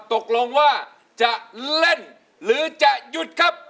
ตกลงว่าจะเล่นหรือจะหยุดครับ